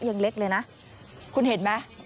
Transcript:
ยังเล็กเลยนะคุณเห็นไหม